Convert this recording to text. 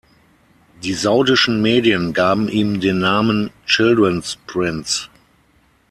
Die saudischen Medien gaben ihm den Namen „children's prince“.